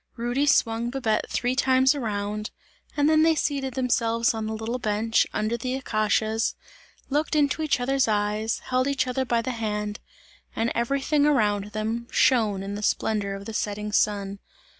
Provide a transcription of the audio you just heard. Rudy swung Babette three times around, and then they seated themselves on the little bench, under the acacias, looked into each other's eyes, held each other by the hand, and everything around them shone in the splendour of the setting sun.